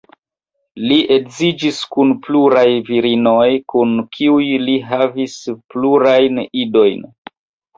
Li edziĝis kun pluraj virinoj kun kiuj li havis plurajn idojn.